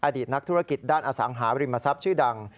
อดีตนักธุรกิจด้านอสังหาริมทรัพย์ชื่อดัง